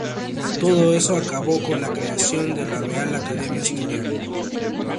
Todo eso acabó con la creación de la Real Academia Asturiana.